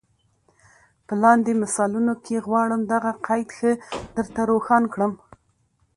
په لاندي مثالونو کي غواړم دغه قید ښه در ته روښان کړم.